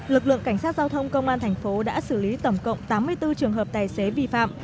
lực lượng cảnh sát giao thông công an thành phố đã xử lý tổng cộng tám mươi bốn trường hợp tài xế vi phạm